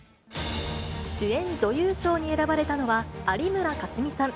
主演女優賞に選ばれたのは有村架純さん。